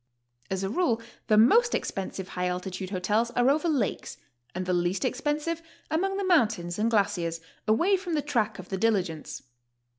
As a rule, the most expensive high altitude hotels are over lakes and the least expensive among the mountains and glaciers, away from the track of the diligence.